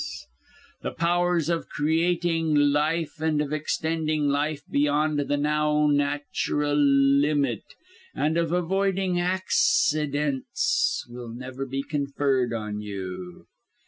The powers of creating life, and of extending life beyond the now natural limit, and of avoiding accidents, will never be conferred on you.